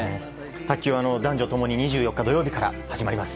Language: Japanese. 卓球は男女共に２４日土曜日から始まります。